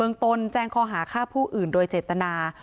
เมืองตนแจ้งคอหาค่าผู้อื่นโดยเจตนา